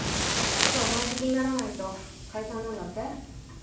今日満席にならないと解散なんだって？